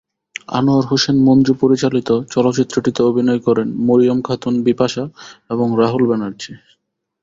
আনোয়ার হোসেন মঞ্জু পরিচালিত চলচ্চিত্রটিতে অভিনয় করেন মরিয়ম খাতুন বিপাশা এবং রাহুল ব্যানার্জী।